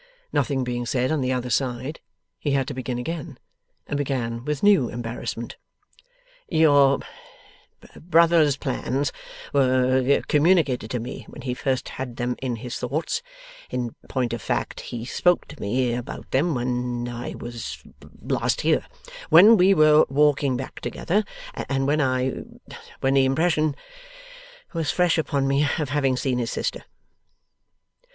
Nothing being said on the other side, he had to begin again, and began with new embarrassment. 'Your brother's plans were communicated to me when he first had them in his thoughts. In point of fact he spoke to me about them when I was last here when we were walking back together, and when I when the impression was fresh upon me of having seen his sister.